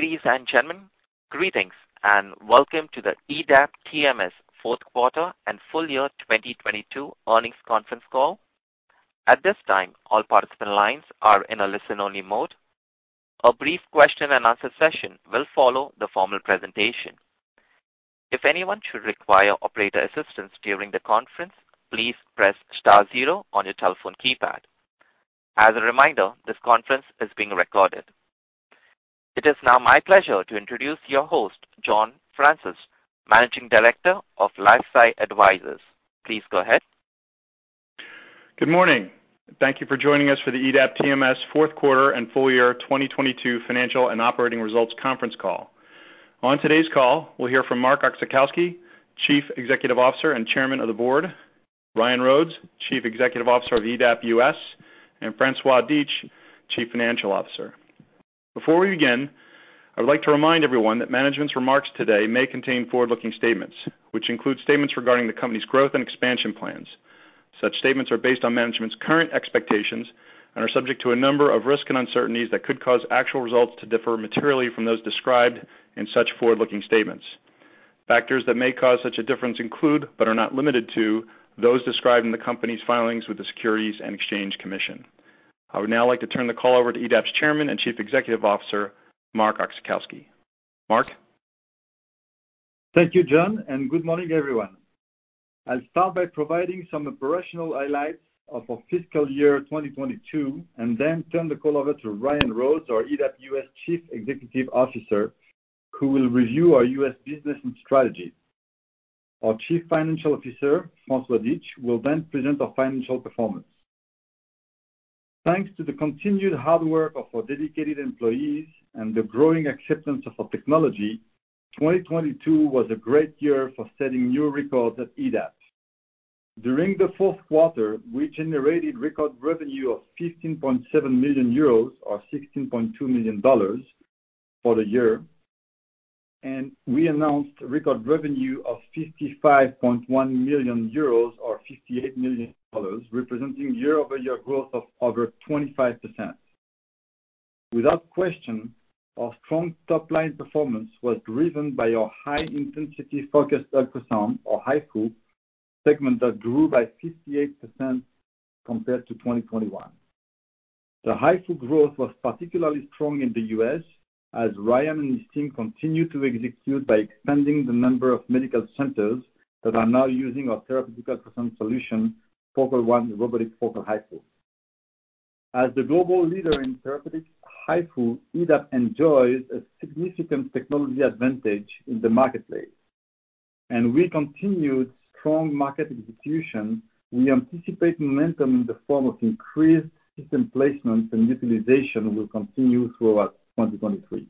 Ladies and gentlemen, greetings, and welcome to the EDAP TMS Fourth Quarter and Full Year 2022 Earnings Conference Call. At this time, all participant lines are in a listen-only mode. A brief question and answer session will follow the formal presentation. If anyone should require operator assistance during the conference, please press star zero on your telephone keypad. As a reminder, this conference is being recorded. It is now my pleasure to introduce your host, John Fraunces, Managing Director of LifeSci Advisors. Please go ahead. Good morning. Thank you for joining us for the EDAP TMS fourth quarter and full year 2022 financial and operating results conference call. On today's call, we'll hear from Marc Oczachowski, Chief Executive Officer and Chairman of the Board, Ryan Rhodes, Chief Executive Officer of EDAP U.S., and François Dietsch, Chief Financial Officer. Before we begin, I would like to remind everyone that management's remarks today may contain forward-looking statements, which include statements regarding the company's growth and expansion plans. Such statements are based on management's current expectations and are subject to a number of risks and uncertainties that could cause actual results to differ materially from those described in such forward-looking statements. Factors that may cause such a difference include, but are not limited to, those described in the company's filings with the Securities and Exchange Commission. I would now like to turn the call over to EDAP's Chairman and Chief Executive Officer, Marc Oczachowski. Marc? Thank you, John. Good morning, everyone. I'll start by providing some operational highlights of our fiscal year 2022 and then turn the call over to Ryan Rhodes, our EDAP U.S. Chief Executive Officer, who will review our U.S. business and strategy. Our Chief Financial Officer, François Dietsch, will present our financial performance. Thanks to the continued hard work of our dedicated employees and the growing acceptance of our technology, 2022 was a great year for setting new records at EDAP. During the fourth quarter, we generated record revenue of 15.7 million euros or $16.2 million for the year. We announced record revenue of 55.1 million euros or $58 million, representing year-over-year growth of over 25%. Without question, our strong top-line performance was driven by our high-intensity focused ultrasound or HIFU segment that grew by 58% compared to 2021. The HIFU growth was particularly strong in the U.S. as Ryan and his team continued to execute by expanding the number of medical centers that are now using our therapeutic ultrasound solution, Focal One Robotic Focal HIFU. As the global leader in therapeutic HIFU, EDAP enjoys a significant technology advantage in the marketplace. We continued strong market execution. We anticipate momentum in the form of increased system placements and utilization will continue throughout 2023.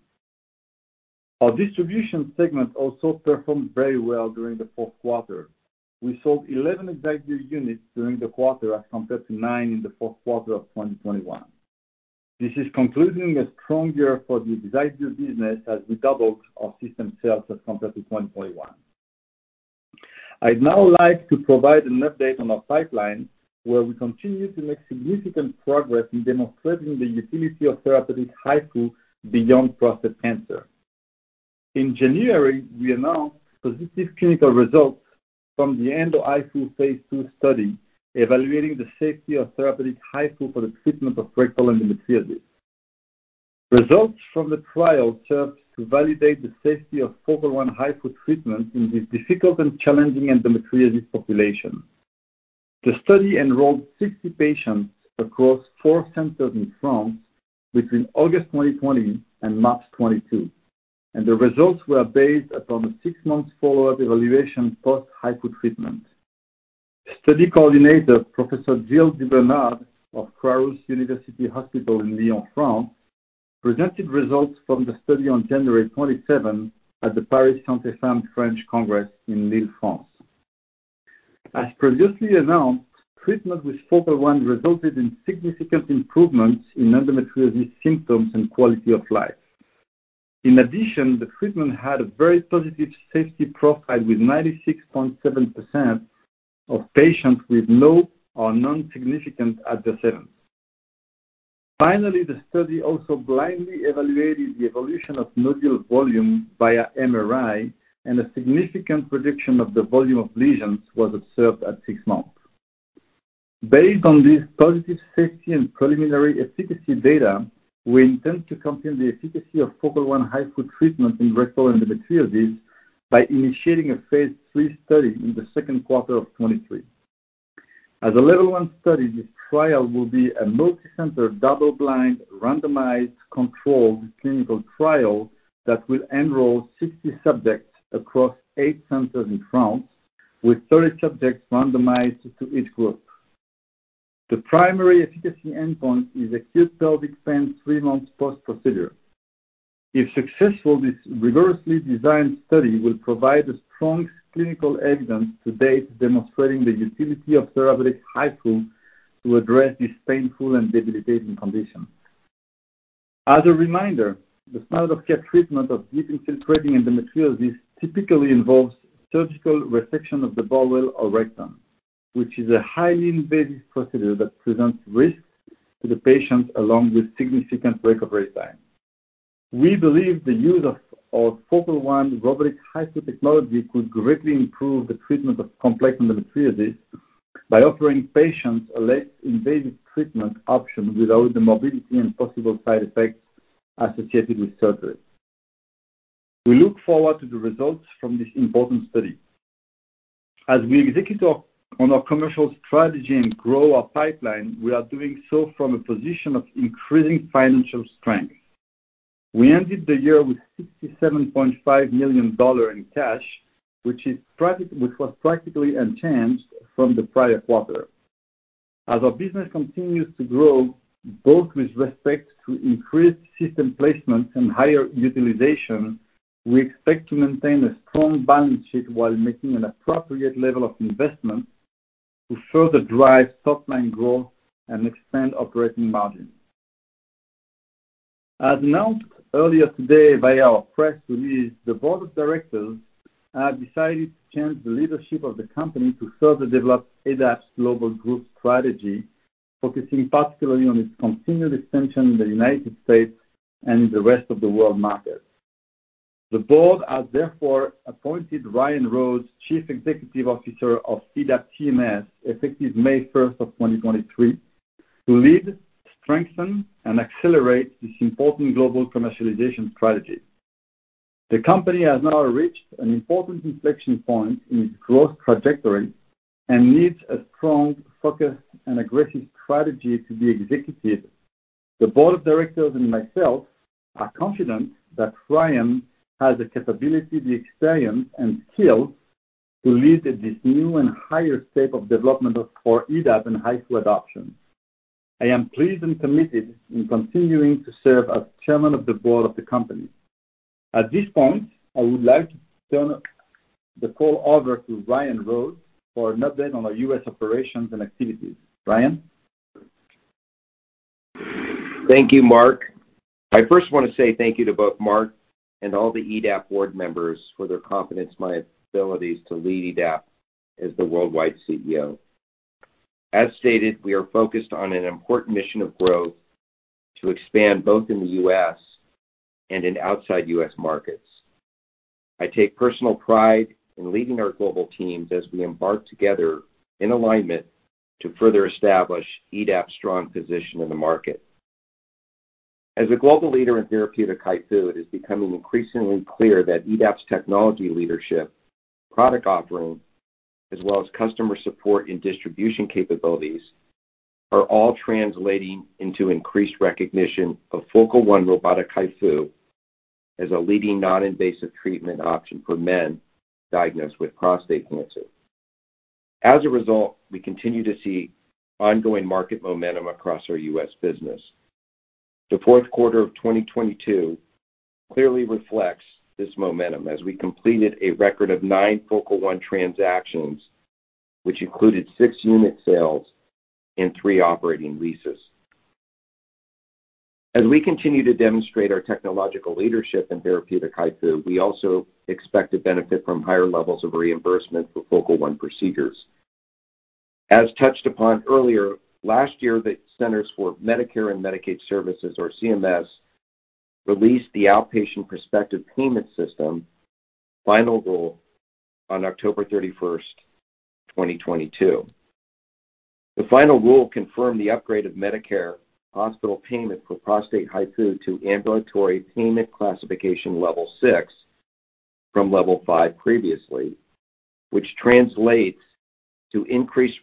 Our distribution segment also performed very well during the fourth quarter. We sold 11 ExactVu units during the quarter as compared to nine in the fourth quarter of 2021. This is concluding a strong year for the EDAP TMS business as we doubled our system sales as compared to 2021. I'd now like to provide an update on our pipeline, where we continue to make significant progress in demonstrating the utility of therapeutic HIFU beyond prostate cancer. In January, we announced positive clinical results from the end of HIFU phase II study evaluating the safety of therapeutic HIFU for the treatment of rectal endometriosis. Results from the trial served to validate the safety of Focal One HIFU treatment in this difficult and challenging endometriosis population. The study enrolled 60 patients across four centers in France between August 2020 and March 2022, the results were based upon a six-month follow-up evaluation post HIFU treatment. Study coordinator Professor Gil Dubernard of Croix-Rousse University Hospital in Lyon, France, presented results from the study on January 27 at the Paris Santé Femmes French Congress in Lille, France. As previously announced, treatment with Focal One resulted in significant improvements in endometriosis symptoms and quality of life. In addition, the treatment had a very positive safety profile with 96.7% of patients with no or non-significant adverse events. Finally, the study also blindly evaluated the evolution of nodule volume via MRI, and a significant reduction of the volume of lesions was observed at six months. Based on this positive safety and preliminary efficacy data, we intend to confirm the efficacy of Focal One HIFU treatment in rectal endometriosis by initiating a phase III study in the second quarter of 2023. As a level one study, this trial will be a multicenter, double-blind, randomized, controlled clinical trial that will enroll 60 subjects across eight centers in France, with 30 subjects randomized to each group. The primary efficacy endpoint is acute pelvic pain three months post-procedure. If successful, this rigorously designed study will provide the strongest clinical evidence to date demonstrating the utility of therapeutic HIFU to address this painful and debilitating condition. As a reminder, the standard of care treatment of deeply infiltrating endometriosis typically involves surgical resection of the bowel or rectum. Which is a highly invasive procedure that presents risks to the patient along with significant recovery time. We believe the use of Focal One robotic HIFU technology could greatly improve the treatment of complex endometriosis by offering patients a less invasive treatment option without the morbidity and possible side effects associated with surgery. We look forward to the results from this important study. As we execute on our commercial strategy and grow our pipeline, we are doing so from a position of increasing financial strength. We ended the year with $67.5 million in cash, which was practically unchanged from the prior quarter. As our business continues to grow, both with respect to increased system placement and higher utilization, we expect to maintain a strong balance sheet while making an appropriate level of investment to further drive top line growth and expand operating margin. As announced earlier today by our press release, the board of directors have decided to change the leadership of the company to further develop EDAP's global growth strategy, focusing particularly on its continued expansion in the United States and the rest of the world market. The board has therefore appointed Ryan Rhodes, Chief Executive Officer of EDAP TMS, effective May 1st of 2023, to lead, strengthen, and accelerate this important global commercialization strategy. The company has now reached an important inflection point in its growth trajectory and needs a strong focus and aggressive strategy to be executed. The board of directors and myself are confident that Ryan has the capability, the experience, and skill to lead this new and higher state of development for EDAP and HIFU adoption. I am pleased and committed in continuing to serve as chairman of the board of the company. At this point, I would like to turn the call over to Ryan Rhodes for an update on our U.S. operations and activities. Ryan? Thank you, Marc. I first wanna say thank you to both Marc and all the EDAP board members for their confidence in my abilities to lead EDAP as the worldwide CEO. As stated, we are focused on an important mission of growth to expand both in the U.S. and in outside U.S. markets. I take personal pride in leading our global teams as we embark together in alignment to further establish EDAP's strong position in the market. As a global leader in therapeutic HIFU, it is becoming increasingly clear that EDAP's technology leadership, product offering, as well as customer support and distribution capabilities, are all translating into increased recognition of Focal One Robotic HIFU as a leading non-invasive treatment option for men diagnosed with prostate cancer. As a result, we continue to see ongoing market momentum across our U.S. business. The fourth quarter of 2022 clearly reflects this momentum as we completed a record of nine Focal One transactions, which included six unit sales and three operating leases. We continue to demonstrate our technological leadership in therapeutic HIFU, we also expect to benefit from higher levels of reimbursement for Focal One procedures. Touched upon earlier, last year, the Centers for Medicare and Medicaid Services or CMS released the Outpatient Prospective Payment System final rule on October 31st, 2022. The final rule confirmed the upgrade of Medicare hospital payment for prostate HIFU to Ambulatory Payment Classification level six from level five previously, which translates to increased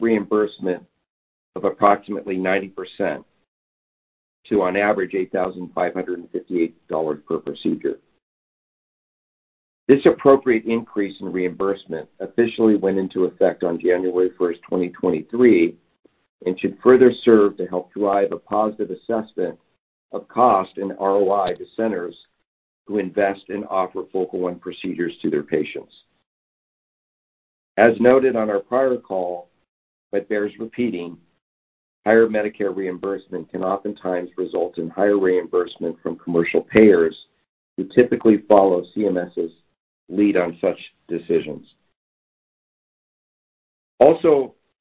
reimbursement of approximately 90% to, on average, $8,558 per procedure. This appropriate increase in reimbursement officially went into effect on January 1st, 2023, and should further serve to help drive a positive assessment of cost and ROI to centers who invest and offer Focal One procedures to their patients. As noted on our prior call, but bears repeating, higher Medicare reimbursement can oftentimes result in higher reimbursement from commercial payers who typically follow CMS's lead on such decisions.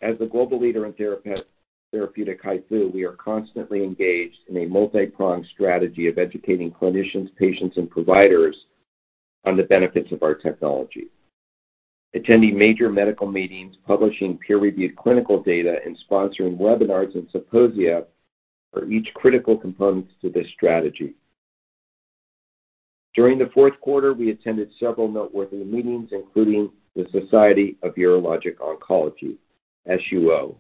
As the global leader in therapeutic HIFU, we are constantly engaged in a multi-pronged strategy of educating clinicians, patients, and providers on the benefits of our technology. Attending major medical meetings, publishing peer-reviewed clinical data, and sponsoring webinars and symposia are each critical components to this strategy. During the fourth quarter, we attended several noteworthy meetings, including the Society of Urologic Oncology, SUO,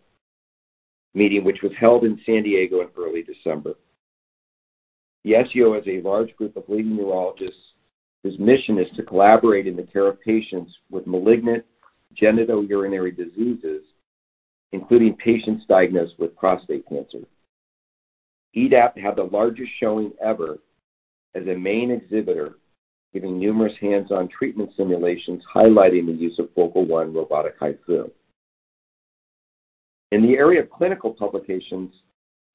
meeting, which was held in San Diego in early December. The SUO is a large group of leading urologists whose mission is to collaborate in the care of patients with malignant genitourinary diseases, including patients diagnosed with prostate cancer. EDAP had the largest showing ever as a main exhibitor, giving numerous hands-on treatment simulations highlighting the use of Focal One Robotic HIFU. In the area of clinical publications,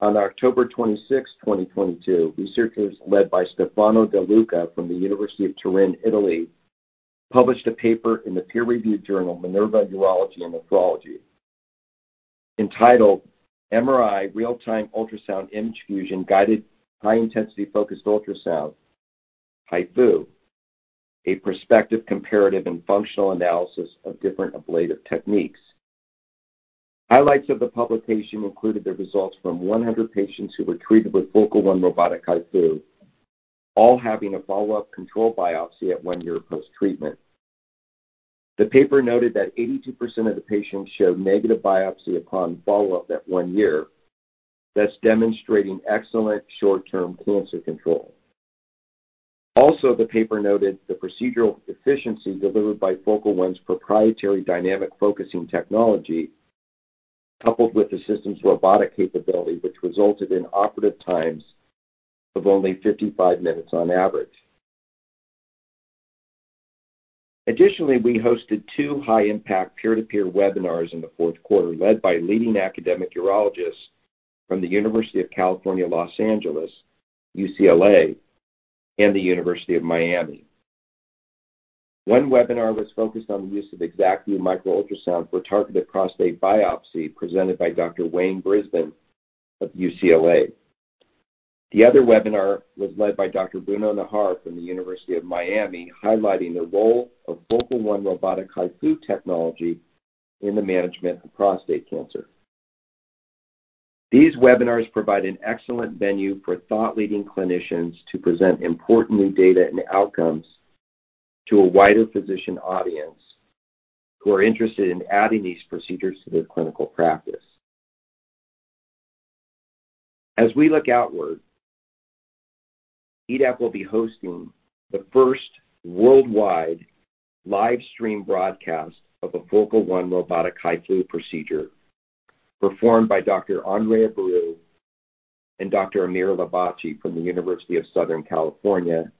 on October 26, 2022, researchers led by Stefano De Luca from the University of Turin, Italy, published a paper in the peer-reviewed journal, Minerva Urology and Nephrology, entitled MRI Real-time Ultrasound Image Fusion Guided High-Intensity Focused Ultrasound, HIFU: A Prospective Comparative and Functional Analysis of Different Ablative Techniques. Highlights of the publication included the results from 100 patients who were treated with Focal One Robotic HIFU, all having a follow-up control biopsy at one year post-treatment. The paper noted that 82% of the patients showed negative biopsy upon follow-up at one year, thus demonstrating excellent short-term cancer control. Also, the paper noted the procedural efficiency delivered by Focal One's proprietary dynamic focusing technology, coupled with the system's robotic capability, which resulted in operative times of only 55 minutes on average. Additionally, we hosted two high-impact peer-to-peer webinars in the fourth quarter, led by leading academic urologists from the University of California, Los Angeles, UCLA, and the University of Miami. One webinar was focused on the use of ExactVu micro-ultrasound for targeted prostate biopsy, presented by Dr. Wayne Brisben of UCLA. The other webinar was led by Dr. Bruno Nahar from the University of Miami, highlighting the role of Focal One Robotic HIFU technology in the management of prostate cancer. These webinars provide an excellent venue for thought leading clinicians to present important new data and outcomes to a wider physician audience who are interested in adding these procedures to their clinical practice. As we look outward, EDAP will be hosting the first worldwide live stream broadcast of a Focal One Robotic HIFU procedure performed by Dr. Andre Abreu and Dr. Amir Lebastchi from the University of Southern California,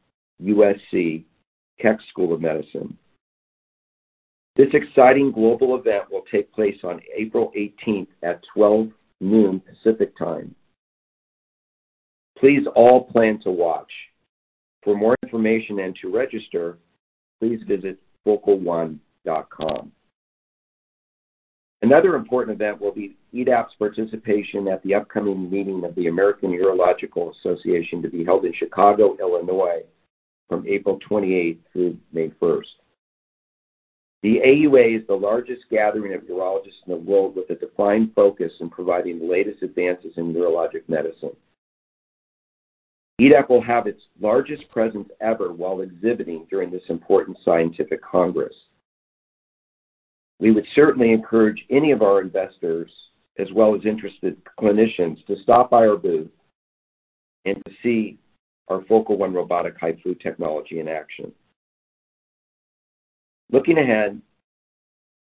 USC Keck School of Medicine of USC. This exciting global event will take place on April 18th at 12:00 P.M. Pacific Time. Please all plan to watch. For more information and to register, please visit focalone.com. Another important event will be EDAP's participation at the upcoming meeting of the American Urological Association to be held in Chicago, Illinois, from April 28th through May 1st. The AUA is the largest gathering of urologists in the world with a defined focus in providing the latest advances in urologic medicine. EDAP will have its largest presence ever while exhibiting during this important scientific congress. We would certainly encourage any of our investors, as well as interested clinicians, to stop by our booth and to see our Focal One Robotic HIFU technology in action. Looking ahead,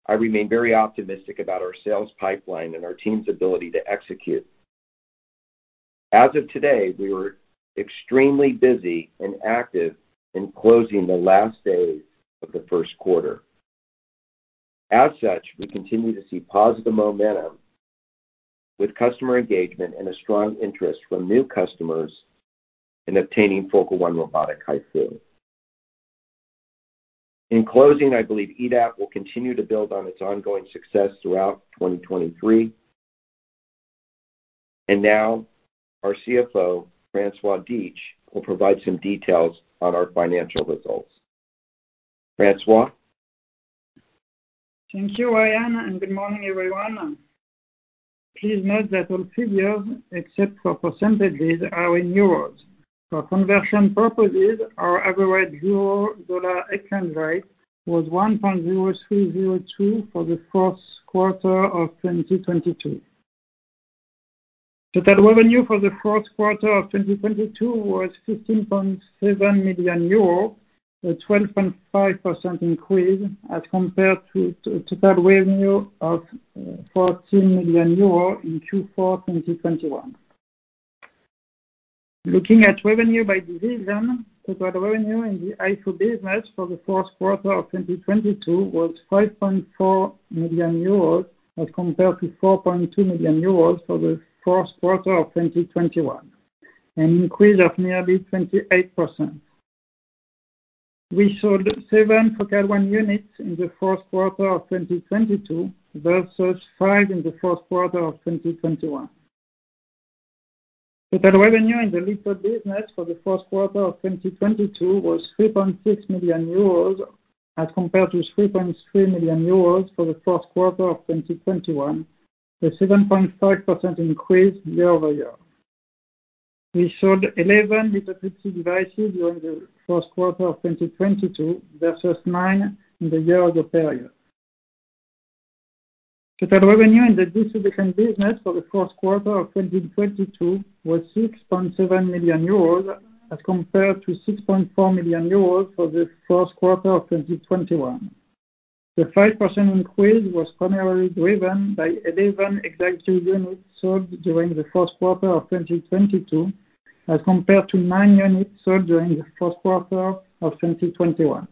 I remain very optimistic about our sales pipeline and our team's ability to execute. As of today, we were extremely busy and active in closing the last days of the first quarter. As such, we continue to see positive momentum with customer engagement and a strong interest from new customers in obtaining Focal One Robotic HIFU. In closing, I believe EDAP will continue to build on its ongoing success throughout 2023. now our CFO, François Dietsch, will provide some details on our financial results. François? Thank you, Ryan. Good morning, everyone. Please note that all figures, except for percentages, are in euros. For conversion purposes, our average euro-dollar exchange rate was 1.0302 for the first quarter of 2022. Total revenue for the first quarter of 2022 was 15.7 million euro, a 12.5% increase as compared to total revenue of 14 million euro in Q4 2021. Looking at revenue by division, total revenue in the HIFU business for the first quarter of 2022 was 5.4 million euros as compared to 4.2 million euros for the first quarter of 2021, an increase of nearly 28%. We sold seven Focal One units in the first quarter of 2022 versus five in the first quarter of 2021. Total revenue in the LITHO business for the first quarter of 2022 was 3.6 million euros as compared to 3.3 million euros for the first quarter of 2021, a 7.5% increase year-over-year. We sold 11 lithotripsy devices during the first quarter of 2022 versus nine in the year ago period. Total revenue in the Distribution business for the first quarter of 2022 was 6.7 million euros as compared to 6.4 million euros for the first quarter of 2021. The 5% increase was primarily driven by 11 ExactVu units sold during the first quarter of 2022 as compared to nine units sold during the first quarter of 2021.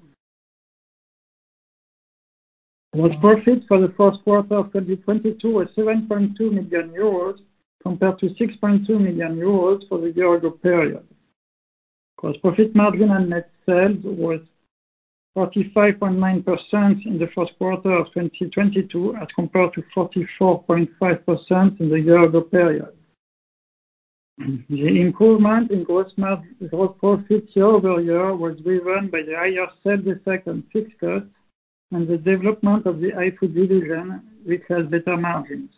Net profits for the first quarter of 2022 was 7.2 million euros compared to 6.2 million euros for the year-ago period. Gross profit margin and net sales was 45.9% in the first quarter of 2022 as compared to 44.5% in the year-ago period. The improvement in gross profits year-over-year was driven by the higher sales effect on fixed costs and the development of the HIFU division, which has better margins.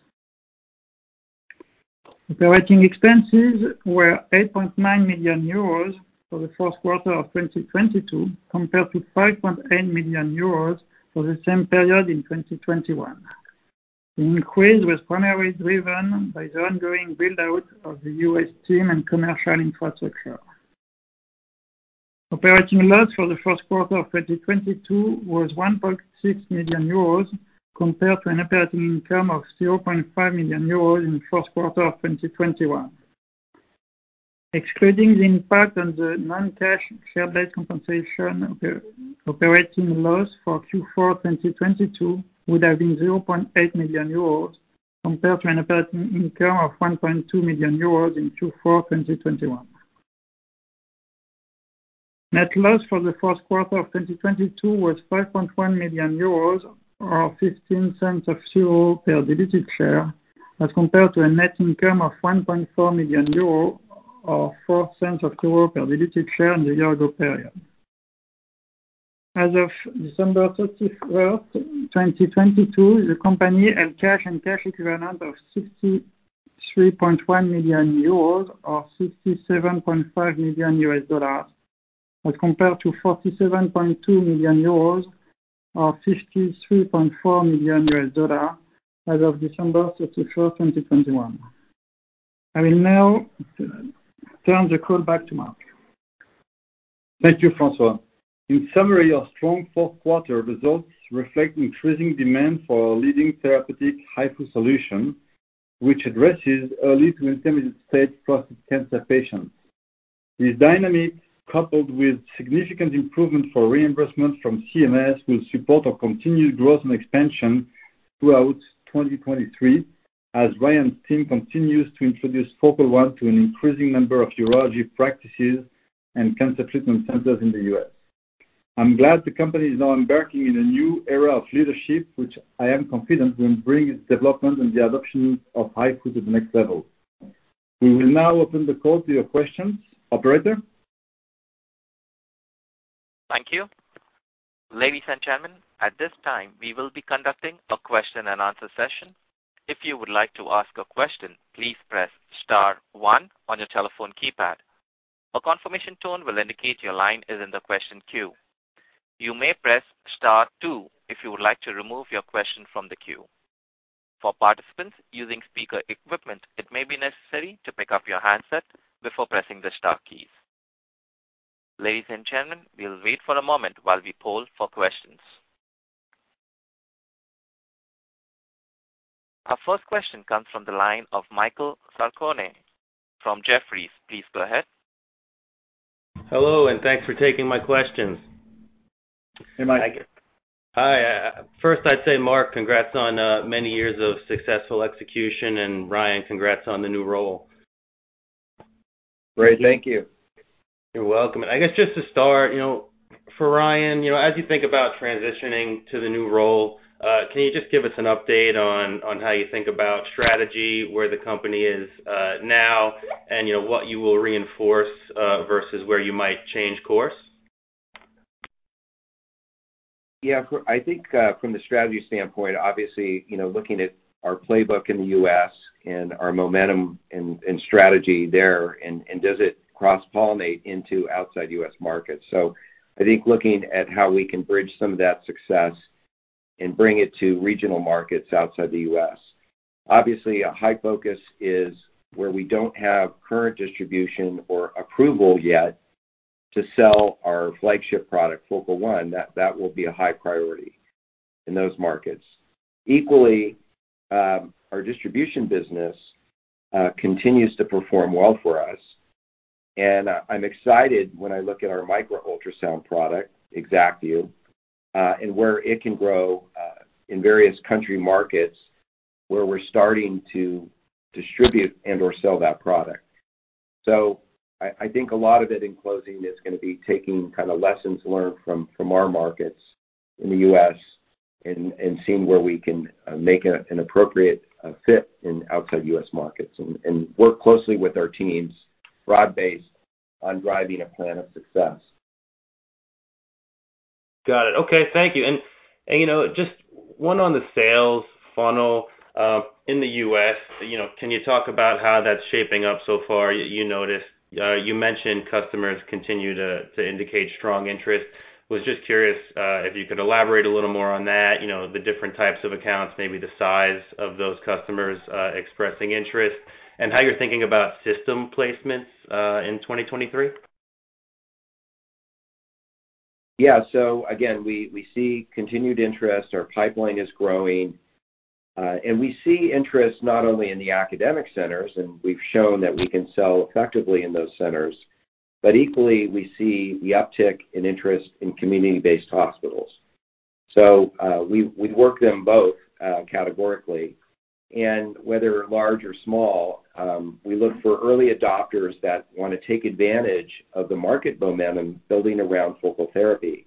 Operating expenses were 8.9 million euros for the first quarter of 2022 compared to 5.8 million euros for the same period in 2021. The increase was primarily driven by the ongoing build-out of the U.S. team and commercial infrastructure. Operating loss for the first quarter of 2022 was 1.6 million euros compared to an operating income of 0.5 million euros in the first quarter of 2021. Excluding the impact on the non-cash share-based compensation, operating loss for Q4 2022 would have been 0.8 million euros compared to an operating income of 1.2 million euros in Q4 2021. Net loss for the first quarter of 2022 was 5.1 million euros or 0.15 per diluted share as compared to a net income of 1.4 million euros or 0.04 per diluted share in the year-ago period. As of December 31st, 2022, the company had cash and cash equivalent of 63.1 million euros or $67.5 million as compared to 47.2 million euros or $53.4 million as of December 31st, 2021. I will now turn the call back to Marc. Thank you, François. In summary, our strong fourth quarter results reflect increasing demand for our leading therapeutic HIFU solution, which addresses early to intermediate state prostate cancer patients. This dynamic, coupled with significant improvement for reimbursements from CMS, will support our continued growth and expansion throughout 2023 as Ryan's team continues to introduce Focal One to an increasing number of urology practices and cancer treatment centers in the U.S. I'm glad the company is now embarking in a new era of leadership, which I am confident will bring its development and the adoption of HIFU to the next level. We will now open the call to your questions. Operator? Thank you. Ladies and gentlemen, at this time, we will be conducting a question and answer session. If you would like to ask a question, please press star one on your telephone keypad. A confirmation tone will indicate your line is in the question queue. You may press star two if you would like to remove your question from the queue. For participants using speaker equipment, it may be necessary to pick up your handset before pressing the star keys. Ladies and gentlemen, we'll wait for a moment while we poll for questions. Our first question comes from the line of Michael Sarcone from Jefferies. Please go ahead. Hello, thanks for taking my questions. Hey, Mike. Hi. First I'd say, Marc, congrats on many years of successful execution, and Ryan, congrats on the new role. Great. Thank you. You're welcome. I guess just to start, you know, for Ryan, you know, as you think about transitioning to the new role, can you just give us an update on how you think about strategy, where the company is, now and, you know, what you will reinforce, versus where you might change course? I think, from the strategy standpoint, obviously, you know, looking at our playbook in the U.S. and our momentum and strategy there and does it cross-pollinate into outside U.S. markets. I think looking at how we can bridge some of that success and bring it to regional markets outside the U.S. Obviously, a high focus is where we don't have current distribution or approval yet to sell our flagship product, Focal One. That will be a high priority in those markets. Equally, our distribution business continues to perform well for us. I'm excited when I look at our micro-ultrasound product, ExactVu, and where it can grow in various country markets where we're starting to distribute and/or sell that product. I think a lot of it, in closing, is gonna be taking kind of lessons learned from our markets in the U.S. and seeing where we can make an appropriate fit in outside U.S. markets and work closely with our teams broad-based on driving a plan of success. Got it. Okay. Thank you. You know, just one on the sales funnel in the U.S., you know, can you talk about how that's shaping up so far? You mentioned customers continue to indicate strong interest. Was just curious, if you could elaborate a little more on that, you know, the different types of accounts, maybe the size of those customers expressing interest, and how you're thinking about system placements in 2023. Yeah. Again, we see continued interest. Our pipeline is growing. We see interest not only in the academic centers, and we've shown that we can sell effectively in those centers, but equally, we see the uptick in interest in community-based hospitals. We, we work them both, categorically. Whether large or small, we look for early adopters that wanna take advantage of the market momentum building around focal therapy.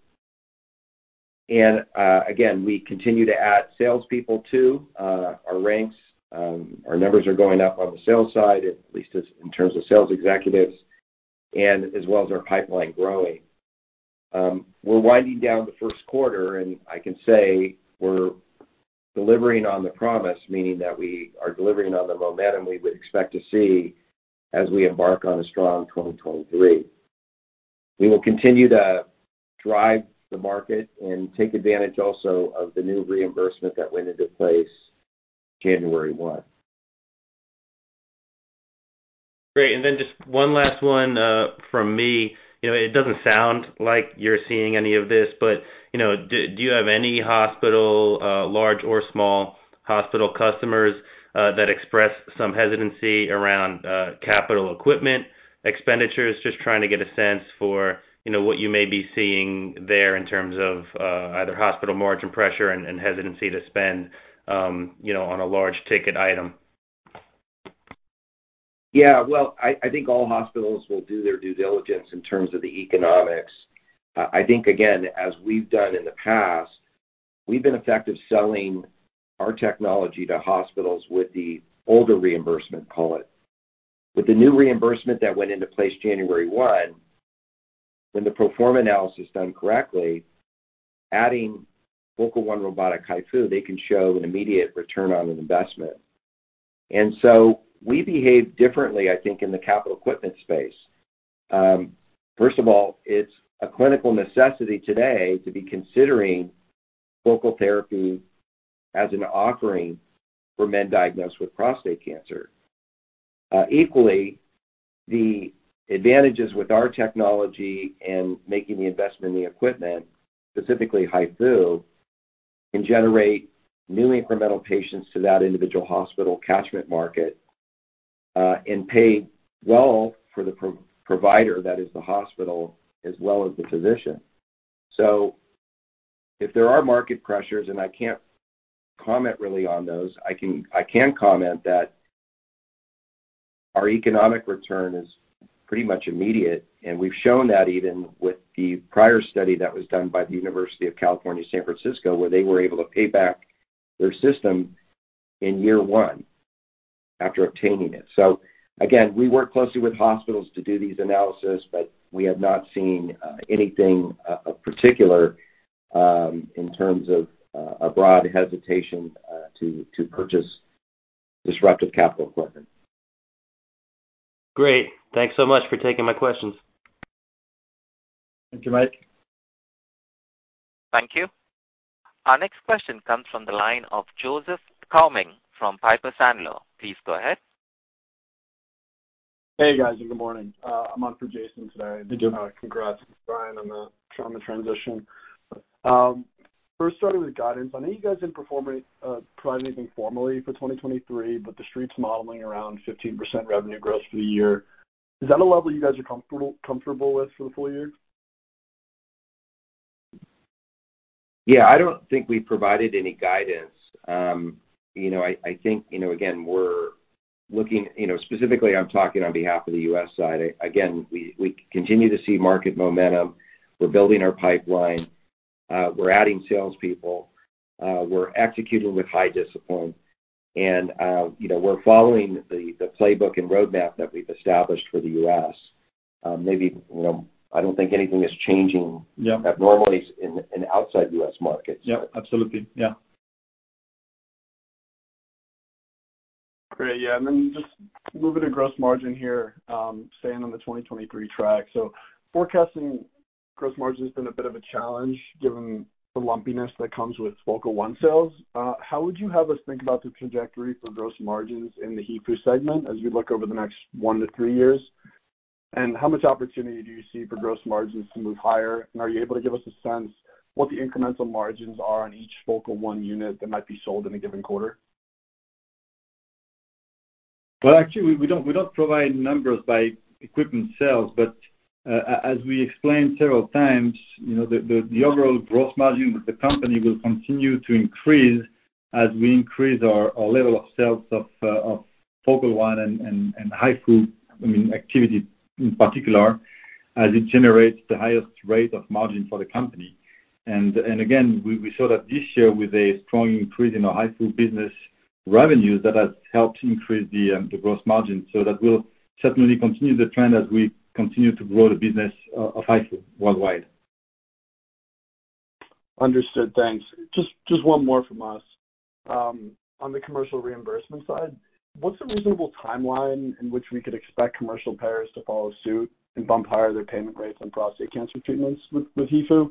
Again, we continue to add salespeople to our ranks. Our numbers are going up on the sales side, at least as in terms of sales executives, and as well as our pipeline growing. We're winding down the first quarter, and I can say we're delivering on the promise, meaning that we are delivering on the momentum we would expect to see as we embark on a strong 2023. We will continue to drive the market and take advantage also of the new reimbursement that went into place January 1. Great. Then just one last one, from me. You know, it doesn't sound like you're seeing any of this, but, you know, do you have any hospital, large or small hospital customers, that express some hesitancy around, capital equipment expenditures? Just trying to get a sense for, you know, what you may be seeing there in terms of, either hospital margin pressure and hesitancy to spend, you know, on a large ticket item. Well, I think all hospitals will do their due diligence in terms of the economics. I think, again, as we've done in the past, we've been effective selling our technology to hospitals with the older reimbursement call it. With the new reimbursement that went into place January 1, when the perform analysis done correctly, adding Focal One Robotic HIFU, they can show an immediate return on an investment. So we behave differently, I think, in the capital equipment space. First of all, it's a clinical necessity today to be considering focal therapy as an offering for men diagnosed with prostate cancer. Equally, the advantages with our technology and making the investment in the equipment, specifically HIFU, can generate new incremental patients to that individual hospital catchment market, and paid well for the pro-provider that is the hospital as well as the physician. If there are market pressures, and I can't comment really on those, I can comment that our economic return is pretty much immediate, and we've shown that even with the prior study that was done by the University of California, San Francisco, where they were able to pay back their system in year one after obtaining it. Again, we work closely with hospitals to do these analysis, but we have not seen anything of particular in terms of a broad hesitation to purchase disruptive capital equipment. Great. Thanks so much for taking my questions. Thank you, Mike. Thank you. Our next question comes from the line of Joseph [Downing] from Piper Sandler. Please go ahead. Hey, guys, good morning. I'm on for Jason today. Congrats, Ryan, on the transition. First, starting with guidance. I know you guys didn't provide anything formally for 2023, but the Street's modeling around 15% revenue growth for the year. Is that a level you guys are comfortable with for the full year? Yeah. I don't think we provided any guidance. You know, I think, you know, again. You know, specifically I'm talking on behalf of the U.S. side. Again, we continue to see market momentum. We're building our pipeline. We're adding salespeople. We're executing with high discipline and, you know, we're following the playbook and roadmap that we've established for the U.S. Maybe, you know, I don't think anything is changing. Yeah... abnormally in outside U.S. markets. Yeah. Absolutely. Yeah. Great. Yeah. Just moving to gross margin here, staying on the 2023 track. Forecasting gross margin has been a bit of a challenge given the lumpiness that comes with Focal One sales. How would you have us think about the trajectory for gross margins in the HIFU segment as we look over the next one to three years? How much opportunity do you see for gross margins to move higher? Are you able to give us a sense what the incremental margins are on each Focal One unit that might be sold in a given quarter? Well, actually, we don't provide numbers by equipment sales. As we explained several times, you know, the overall gross margin of the company will continue to increase as we increase our level of sales of Focal One and HIFU, I mean, activity in particular, as it generates the highest rate of margin for the company. Again, we saw that this year with a strong increase in our HIFU business revenues that has helped increase the gross margin. That will certainly continue the trend as we continue to grow the business of HIFU worldwide. Understood. Thanks. Just one more from us. On the commercial reimbursement side, what's a reasonable timeline in which we could expect commercial payers to follow suit and bump higher their payment rates on prostate cancer treatments with HIFU?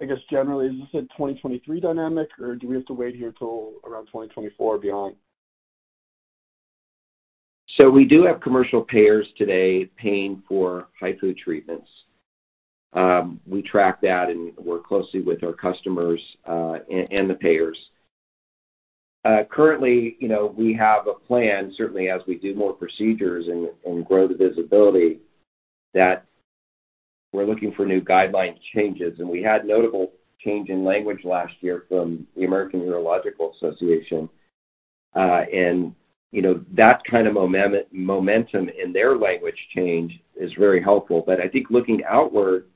I guess generally, is this a 2023 dynamic, or do we have to wait here till around 2024 or beyond? We do have commercial payers today paying for HIFU treatments. We track that and work closely with our customers and the payers. Currently, you know, we have a plan, certainly as we do more procedures and grow the visibility, that we're looking for new guideline changes. We had notable change in language last year from the American Urological Association. You know, that kind of momentum in their language change is very helpful. I think looking outward,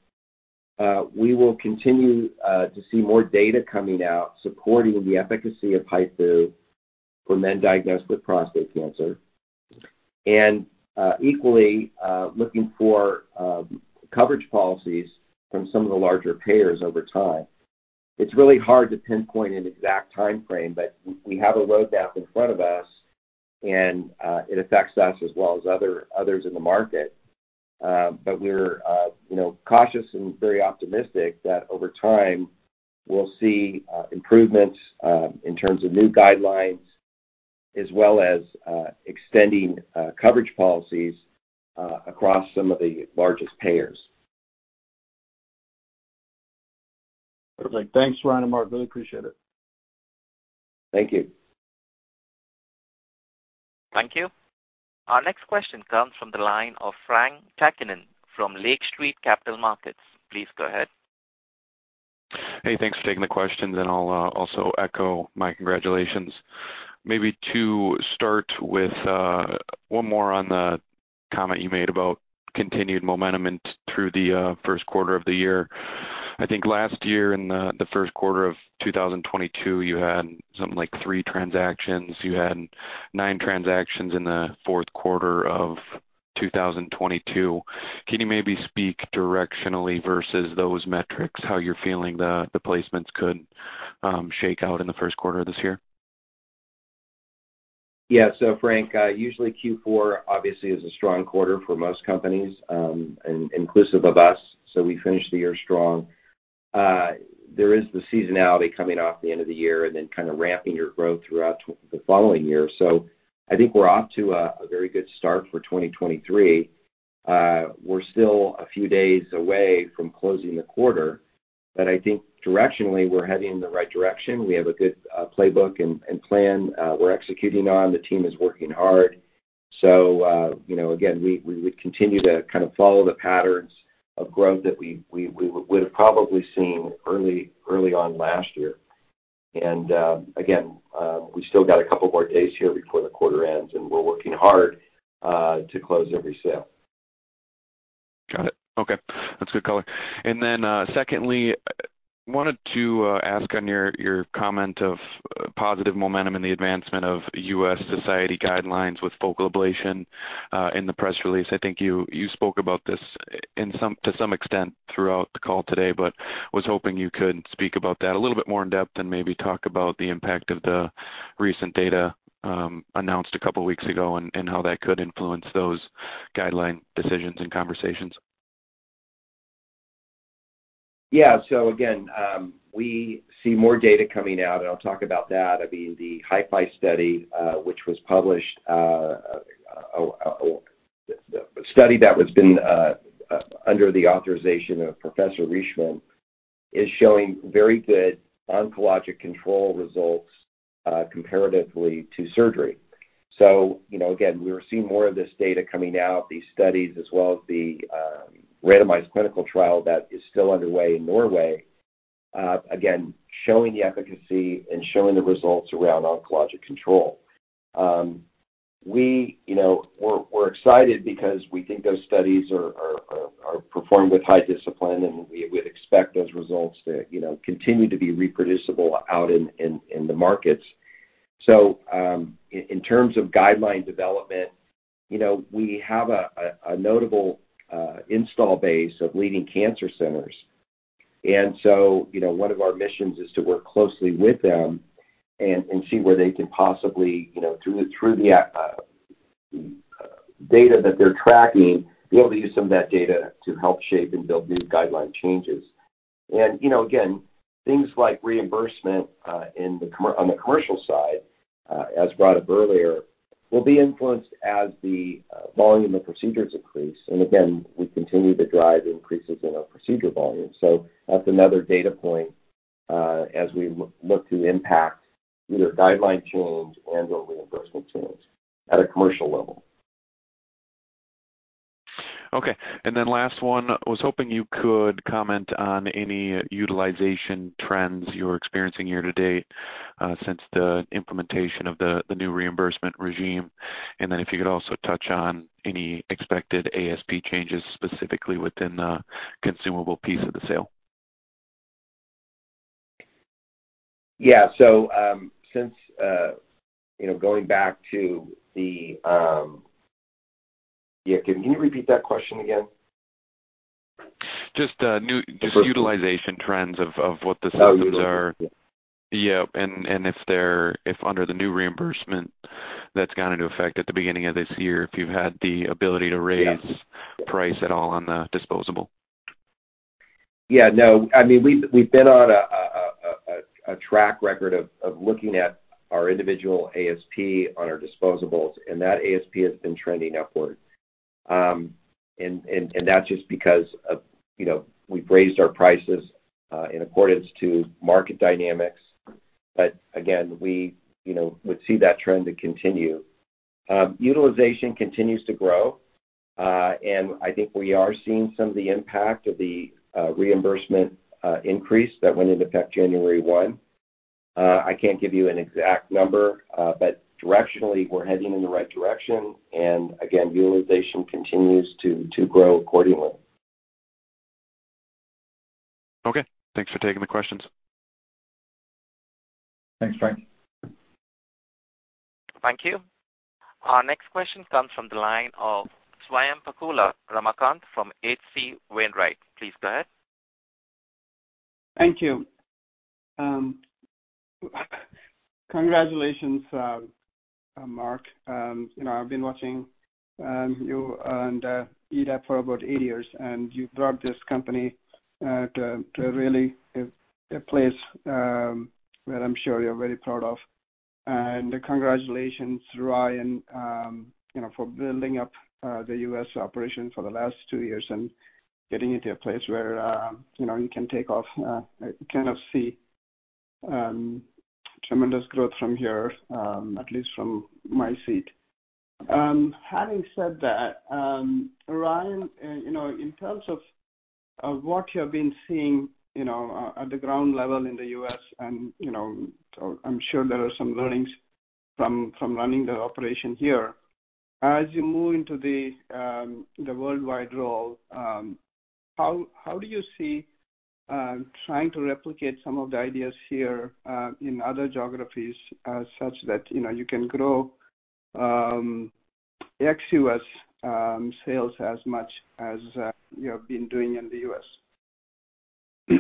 we will continue to see more data coming out supporting the efficacy of HIFU for men diagnosed with prostate cancer and equally looking for coverage policies from some of the larger payers over time. It's really hard to pinpoint an exact timeframe, but we have a road map in front of us and it affects us as well as others in the market. We're, you know, cautious and very optimistic that over time we'll see improvements in terms of new guidelines as well as extending coverage policies across some of the largest payers. Perfect. Thanks, Ryan and Mark. Really appreciate it. Thank you. Thank you. Our next question comes from the line of Frank Takkinen from Lake Street Capital Markets. Please go ahead. Hey, thanks for taking the questions. I'll also echo my congratulations. Maybe to start with, one more on the comment you made about continued momentum through the first quarter of the year. I think last year in the first quarter of 2022, you had something like three transactions. You had nine transactions in the fourth quarter of 2022. Can you maybe speak directionally versus those metrics, how you're feeling the placements could shake out in the first quarter of this year? Yeah. Frank Takkinen, usually Q4 obviously is a strong quarter for most companies, inclusive of us, we finish the year strong. There is the seasonality coming off the end of the year and then kind of ramping your growth throughout the following year. I think we're off to a very good start for 2023. We're still a few days away from closing the quarter, but I think directionally we're heading in the right direction. We have a good playbook and plan we're executing on. The team is working hard. You know, again, we would continue to kind of follow the patterns of growth that we would have probably seen early on last year. Again, we still got a couple more days here before the quarter ends, and we're working hard to close every sale. Got it. Okay. That's good color. Secondly, wanted to ask on your comment of positive momentum in the advancement of U.S. society guidelines with focal ablation in the press release. I think you spoke about this to some extent throughout the call today, was hoping you could speak about that a little bit more in-depth and maybe talk about the impact of the recent data announced a couple weeks ago and how that could influence those guideline decisions and conversations. Yeah. Again, we see more data coming out, and I'll talk about that. I mean, the HIFI study, which was published, the study that has been under the authorization of Professor Rischmann is showing very good oncologic control results comparatively to surgery. You know, again, we're seeing more of this data coming out, these studies as well as the randomized clinical trial that is still underway in Norway, again, showing the efficacy and showing the results around oncologic control. We, you know, we're excited because we think those studies are performed with high discipline, and we would expect those results to, you know, continue to be reproducible out in the markets. In terms of guideline development, you know, we have a notable install base of leading cancer centers. You know, one of our missions is to work closely with them and see where they can possibly, you know, through the data that they're tracking, be able to use some of that data to help shape and build new guideline changes. You know, again, things like reimbursement on the commercial side, as brought up earlier, will be influenced as the volume of procedures increase. Again, we continue to drive increases in our procedure volume. That's another data point as we look to impact either guideline change and/or reimbursement change at a commercial level. Okay. Last one, I was hoping you could comment on any utilization trends you're experiencing year-to-date since the implementation of the new reimbursement regime. If you could also touch on any expected ASP changes specifically within the consumable piece of the sale. Since, you know, going back to the... Yeah. Can you repeat that question again? Just. The first one. Just utilization trends of what the systems are. Oh, utilization. Yeah. If they're, if under the new reimbursement that's gone into effect at the beginning of this year, if you've had the ability to raise price at all on the disposable. Yeah, no. I mean, we've been on a track record of looking at our individual ASP on our disposables, and that ASP has been trending upward. That's just because of, you know, we've raised our prices in accordance to market dynamics. Again, we, you know, would see that trend to continue. Utilization continues to grow. I think we are seeing some of the impact of the reimbursement increase that went into effect January 1. I can't give you an exact number, but directionally, we're heading in the right direction. Again, utilization continues to grow accordingly. Okay. Thanks for taking the questions. Thanks, Frank. Thank you. Our next question comes from the line of Swayampakula Ramakanth from HC Wainwright. Please go ahead. Thank you. Congratulations, Marc. You know, I've been watching you and EDAP for about eight years, you've brought this company to really a place that I'm sure you're very proud of. Congratulations to Ryan, you know, for building up the U.S. operation for the last two years and getting it to a place where you know, you can take off. I kind of see tremendous growth from here, at least from my seat. Having said that, Ryan, you know, in terms of what you have been seeing, you know, at the ground level in the U.S., I'm sure there are some learnings from running the operation here. As you move into the worldwide role, how do you see trying to replicate some of the ideas here, in other geographies as such that, you know, you can grow ex-U.S. sales as much as you have been doing in the U.S.?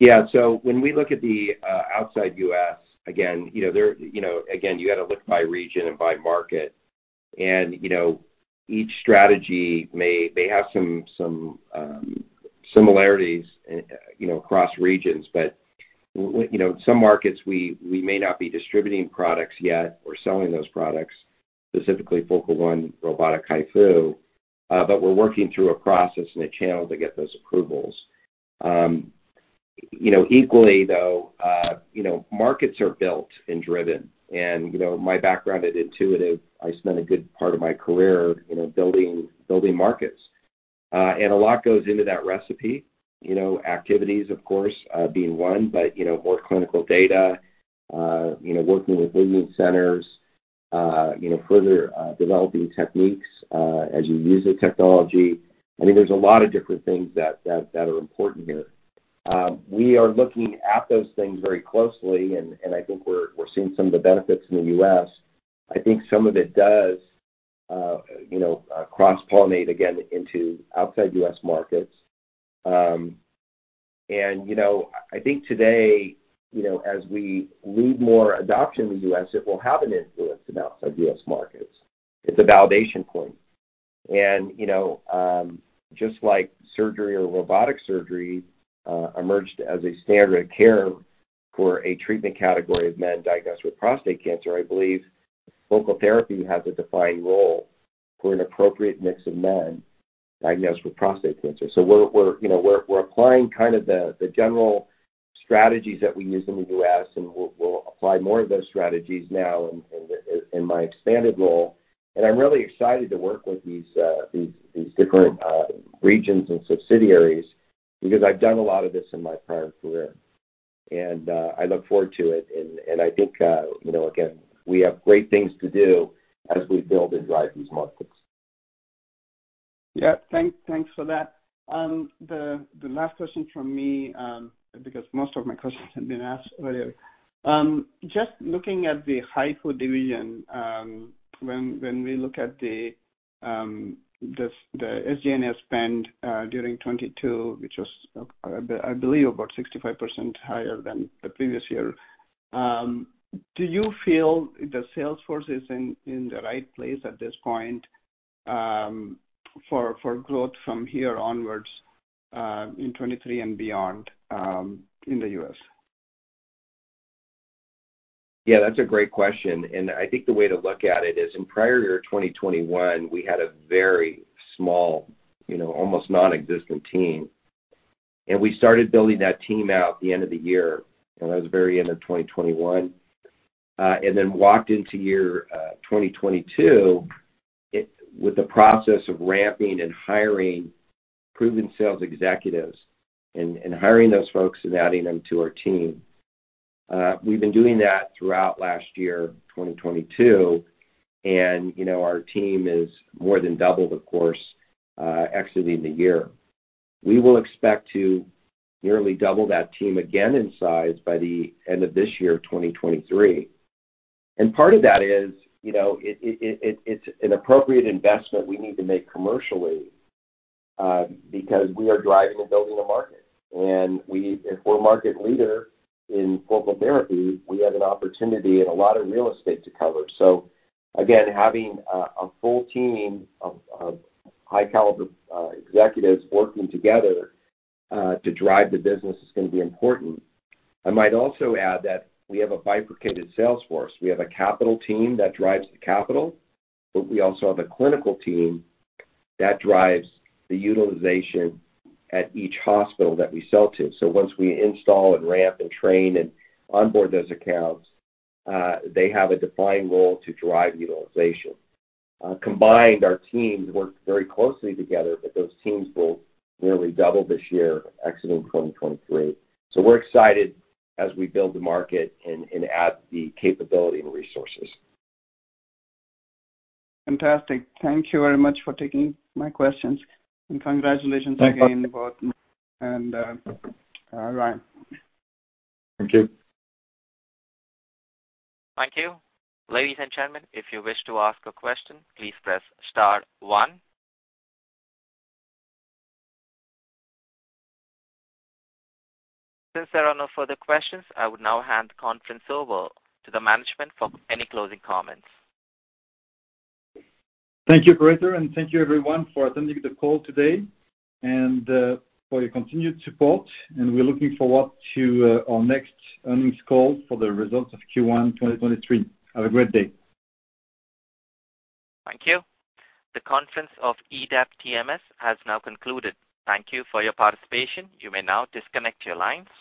Yeah. When we look at the outside U.S., again, you know, there, you know, again, you got to look by region and by market. You know, each strategy may have some similarities, you know, across regions. You know, some markets we may not be distributing products yet or selling those products, specifically Focal One Robotic HIFU, but we're working through a process and a channel to get those approvals. You know, equally, though, you know, markets are built and driven. You know, my background at Intuitive, I spent a good part of my career, you know, building markets. A lot goes into that recipe. You know, activities of course, being one, but, you know, more clinical data, you know, working with leading centers, you know, further developing techniques, as you use the technology. I mean, there's a lot of different things that are important here. We are looking at those things very closely, and I think we're seeing some of the benefits in the U.S. I think some of it does, you know, cross-pollinate again into outside U.S. markets. You know, I think today, you know, as we lead more adoption in the U.S., it will have an influence in outside U.S. markets. It's a validation point. You know, just like surgery or robotic surgery, emerged as a standard care for a treatment category of men diagnosed with prostate cancer, I believe focal therapy has a defined role for an appropriate mix of men diagnosed with prostate cancer. We're, you know, we're applying kind of the general strategies that we use in the U.S., and we'll apply more of those strategies now in my expanded role. I'm really excited to work with these different regions and subsidiaries because I've done a lot of this in my prior career. I look forward to it. I think, you know, again, we have great things to do as we build and drive these markets. Yeah. Thanks for that. The last question from me, because most of my questions have been asked earlier. Just looking at the HIFU division, when we look at the SG&A spend during 2022, which was, I believe about 65% higher than the previous year, do you feel the sales force is in the right place at this point for growth from here onwards in 2023 and beyond in the U.S.? Yeah, that's a great question. I think the way to look at it is in prior year 2021, we had a very small, you know, almost nonexistent team. We started building that team out the end of the year, and that was very end of 2021. Then walked into year, 2022 with the process of ramping and hiring proven sales executives and hiring those folks and adding them to our team. We've been doing that throughout last year, 2022, and, you know, our team is more than doubled, of course, exiting the year. We will expect to nearly double that team again in size by the end of this year, 2023. Part of that is, you know, it's an appropriate investment we need to make commercially, because we are driving and building a market. If we're market leader in focal therapy, we have an opportunity and a lot of real estate to cover. Again, having a full team of high caliber executives working together, to drive the business is gonna be important. I might also add that we have a bifurcated sales force. We have a capital team that drives the capital, but we also have a clinical team that drives the utilization at each hospital that we sell to. Once we install and ramp and train and onboard those accounts, they have a defined role to drive utilization. Combined, our teams work very closely together. Those teams will nearly double this year, exiting 2023. We're excited as we build the market and add the capability and resources. Fantastic. Thank you very much for taking my questions. Congratulations again to both Marc and Ryan. Thank you. Thank you. Ladies and gentlemen, if you wish to ask a question, please press star one. Since there are no further questions, I would now hand the conference over to the management for any closing comments. Thank you, operator, and thank you everyone for attending the call today and for your continued support. We're looking forward to our next earnings call for the results of Q1 2023. Have a great day. Thank you. The conference of EDAP TMS has now concluded. Thank you for your participation. You may now disconnect your lines.